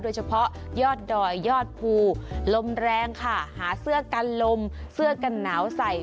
โดยเฉพาะยอดดอยยอดภูลมแรงค่ะหาเสื้อกันลมเสื้อกันหนาวใส่